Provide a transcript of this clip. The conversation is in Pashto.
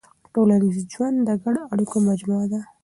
ټولنیز ژوند د ګډو اړیکو مجموعه ده.